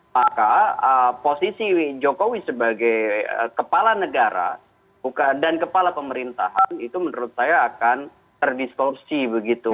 maka posisi jokowi sebagai kepala negara dan kepala pemerintahan itu menurut saya akan terdiskorsi begitu